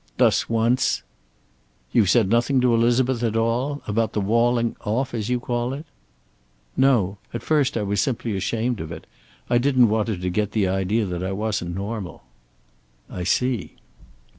Thus, once: "You've said nothing to Elizabeth at all? About the walling off, as you call it?" "No. At first I was simply ashamed of it. I didn't want her to get the idea that I wasn't normal." "I see."